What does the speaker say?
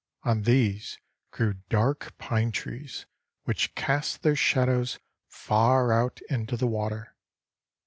On these grew dark pine trees, which cast their shadows far out into the water.